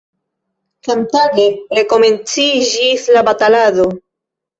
Samtage rekomenciĝis la batalado.